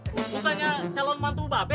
bukannya calon mantu mbah be